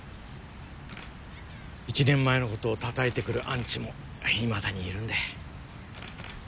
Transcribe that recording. １年前の事を叩いてくるアンチも未だにいるんで。